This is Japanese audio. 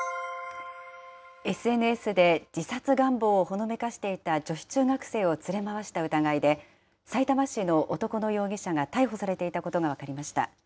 ＳＮＳで自殺願望をほのめかしていた女子中学生を連れ回した疑いで、さいたま市の男の容疑者が逮捕されていたことが分かりました。